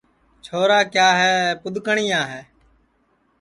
چھورا کیا ہے پُدؔکٹؔیا ہے